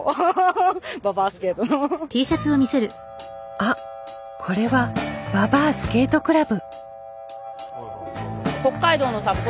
あっこれはババアスケートクラブ！